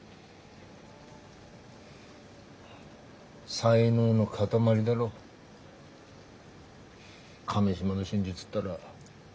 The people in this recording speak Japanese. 才能の塊だろ亀島の新次っつったら。